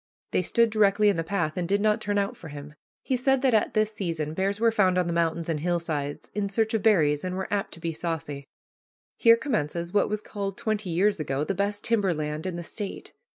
They stood directly in the path and did not turn out for him. He said that at this season bears were found on the mountains and hillsides in search of berries and were apt to be saucy. Here commences what was called, twenty years ago, the best timber land in the State.